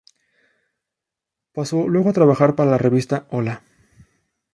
Pasó luego a trabajar para la revista "¡Hola!